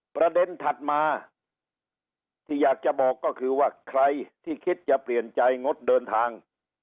ถัดมาที่อยากจะบอกก็คือว่าใครที่คิดจะเปลี่ยนใจงดเดินทาง